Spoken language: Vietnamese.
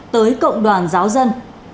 tới cộng đoàn giáo dân